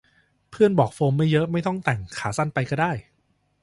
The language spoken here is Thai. เพื่อนบอกโฟมไม่เยอะ ไม่ต้องแต่งขาสั้นไปก็ได้